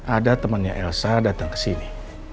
ada temennya elsa datang kesini